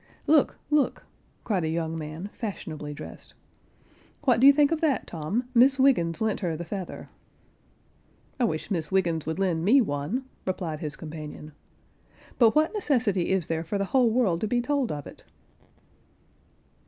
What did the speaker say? "Look, look," cried a young man fashionably dressed, "what do you think of that, Tom? Miss Wiggens lent her the feather." "I wish Miss Wiggens would lend me one," replied his companion, "but what necessity is there for the whole world to be told of it?"